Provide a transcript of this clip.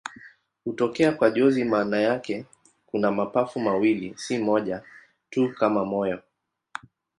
Hutokea kwa jozi maana yake kuna mapafu mawili, si moja tu kama moyo.